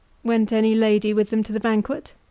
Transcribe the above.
"Went any lady with them to the banquet?"